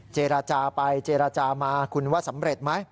เจรจาไปเจรจามาคุณว่าสำเร็จไหม